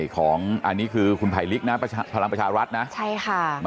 ตอนนี้นะครับ